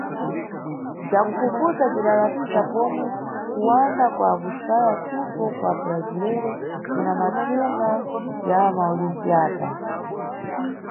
Bzwakufufudza bzwidalatiza pomwe kuwanda kwa kusaya thupo kwa abrasileiro kuna mathunga ya maOlimpíada.